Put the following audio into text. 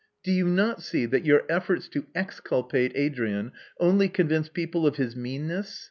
Do you not see that your efforts to exculpate Adrian only convince people of his meanness?